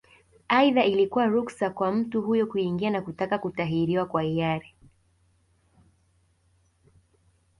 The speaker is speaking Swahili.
Aidha ilikuwa ruksa kwa mtu huyo kuingia na kutaka kutahiriwa kwa hiari